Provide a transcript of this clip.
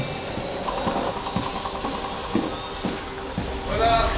おはようございます。